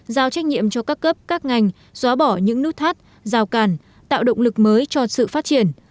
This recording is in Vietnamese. giao trách nhiệm cho các cấp các ngành xóa bỏ những nút thắt giao càn tạo động lực mới cho sự phát triển